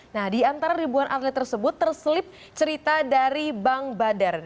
nah di antara ribuan atlet tersebut terselip cerita dari bang badar